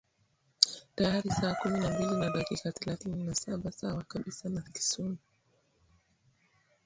tayari saa kumi na mbili na dakika thelathini na saba sawa kabisa na kisumu